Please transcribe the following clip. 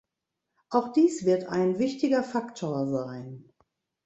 Auch dies wird ein wichtiger Faktor sein.